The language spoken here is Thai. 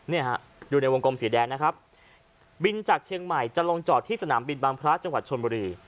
เนี่ยฮะดูในวงกลมสีแดงนะครับบินจากเชียงใหม่จะลงจอดที่สนามบินบางพระจังหวัดชนบุรี